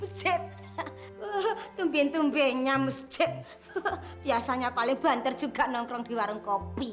mufsyet tumbing tumbing nya musjid biasanya paling banter juga nongkrong di warung kopi